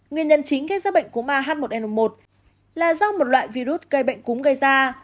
nguyên nhân chính gây ra bệnh cúm ah một n một là do một loại virus gây bệnh cúm gây ra